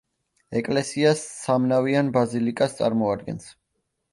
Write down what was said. ეკლესია სამნავიან ბაზილიკას წარმოადგენს.